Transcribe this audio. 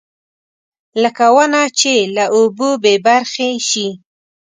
لکه ونه چې له اوبو بېبرخې شي.